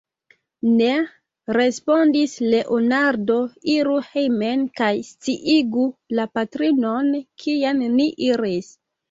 Ne, respondis Leonardo, iru hejmen kaj sciigu la patrinon, kien ni iris.